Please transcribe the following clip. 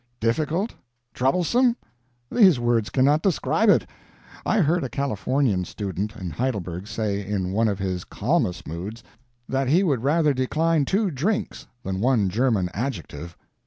Difficult? troublesome? these words cannot describe it. I heard a Californian student in Heidelberg say, in one of his calmest moods, that he would rather decline two drinks than one German adjective.